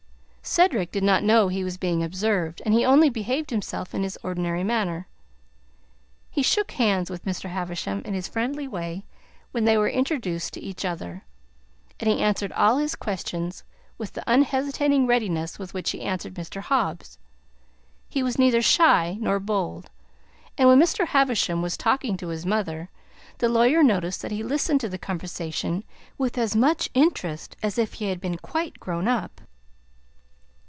Cedric did not know he was being observed, and he only behaved himself in his ordinary manner. He shook hands with Mr. Havisham in his friendly way when they were introduced to each other, and he answered all his questions with the unhesitating readiness with which he answered Mr. Hobbs. He was neither shy nor bold, and when Mr. Havisham was talking to his mother, the lawyer noticed that he listened to the conversation with as much interest as if he had been quite grown up.